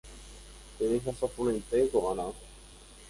Terehasaporãite ko ára